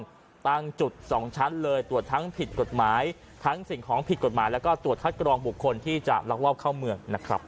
ก็ตั้งจุดสองชั้นเลยตรวจทั้งผิดกฎหมายทั้งสิ่งของผิดกฎหมายแล้วก็ตรวจคัดกรองบุคคลที่จะลักลอบเข้าเมืองนะครับ